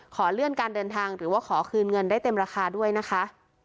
ขอเลื่อนการเดินทางหรือว่าขอคืนเงินได้เต็มราคาด้วยนะคะ